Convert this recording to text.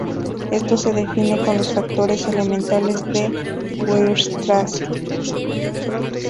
Esto se define con los "factores elementales" de Weierstrass.